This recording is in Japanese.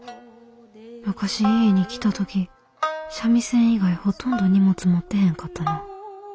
昔家に来た時三味線以外ほとんど荷物持ってへんかったな。